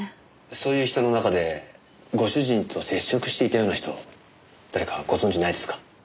そういう人の中でご主人と接触していたような人誰かご存じないですか？